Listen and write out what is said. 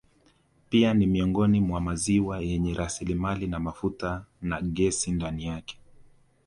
Pia ni miongoni mwa maziwa yenye rasilimali ya mafuta na gesi ndani yake